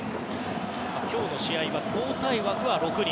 今日の試合は交代枠は６人。